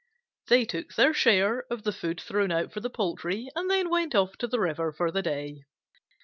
They took their share of the food thrown out for the poultry, and then went off to the river for the day.